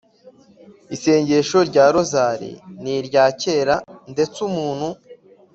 isengesho rya rozari ni irya kera, ndetse umuntu